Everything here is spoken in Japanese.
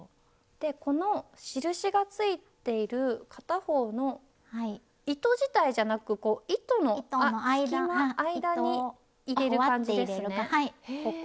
この印がついている片方の糸自体じゃなく糸の隙間間に入れる感じですね？